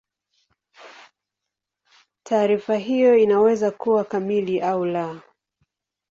Taarifa hiyo inaweza kuwa kamili au la.